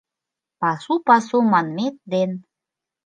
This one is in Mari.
«Пасу, пасу» манмет ден